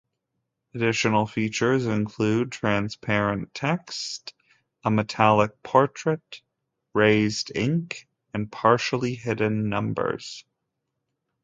Additional features include transparent text, a metallic portrait, raised ink, and partially hidden numbers.